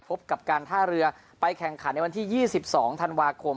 พบกับการท่าเรือไปแข่งขันในวันที่๒๒ธันวาคม